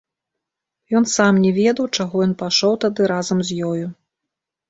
Ён сам не ведаў, чаго ён пайшоў тады разам з ёю.